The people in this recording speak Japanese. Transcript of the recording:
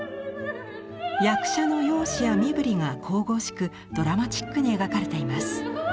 役者の容姿や身振りが神々しくドラマチックに描かれています。